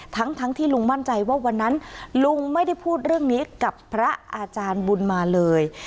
ทั้งที่ลุงมั่นใจว่าวันนั้นลุงไม่ได้พูดเรื่องนี้กับพระอาจารย์บุญมาเลย